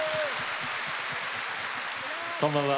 こんばんは。